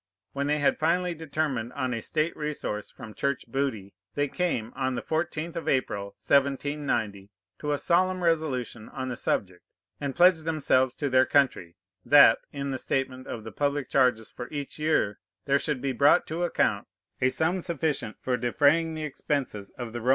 When they had finally determined on a state resource from Church booty, they came, on the fourteenth of April, 1790, to a solemn resolution on the subject, and pledged themselves to their country, "that, in the statement of the public charges for each year, there should be brought to account a sum sufficient for defraying the expenses of the R.C.